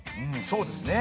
そうですね。